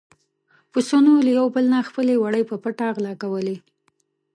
پسونو له يو بل نه خپل وړي په پټه غلا کولې.